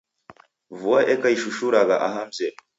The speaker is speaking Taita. Vua eka ishushuragha aha mzedu.